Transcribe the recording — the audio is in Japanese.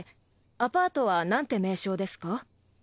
アパートは何て名称ですか？